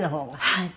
はい。